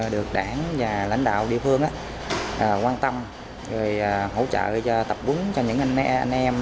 được đảng và lãnh đạo địa phương quan tâm hỗ trợ tập đúng cho những anh em